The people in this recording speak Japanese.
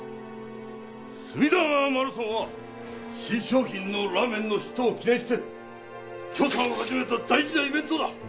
隅田川マラソンは新商品のラーメンのヒットを記念して協賛を始めた大事なイベントだ。